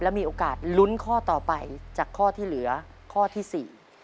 มีโอกาสลุ้นข้อต่อไปจากข้อที่เหลือข้อที่สี่